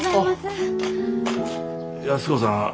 安子さん